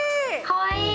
かわいい。